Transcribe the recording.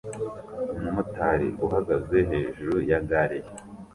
Umumotari uhagaze hejuru ya gare ye